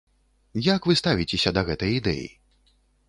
Як вы ставіцеся да гэтай ідэі?